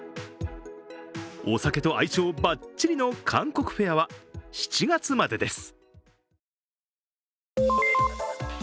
お酒と相性バッチリの韓国フェアは７月までです。